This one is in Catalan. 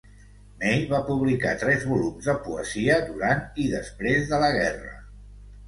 May va publicar tres volums de poesia durant i després de la guerra.